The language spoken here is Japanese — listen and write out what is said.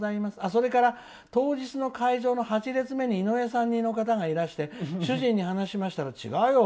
それから当日の会場の８列目に井上さん似の方がいまして主人に話しましたら、違うよ。